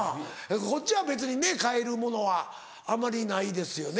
こっちは別にね替えるものはあまりないですよね。